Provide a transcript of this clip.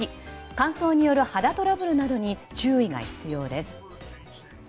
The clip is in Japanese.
乾燥による肌トラブルなどに注意が必要です。